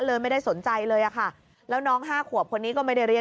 เลยไม่ได้สนใจเลยอะค่ะแล้วน้องห้าขวบคนนี้ก็ไม่ได้เรียน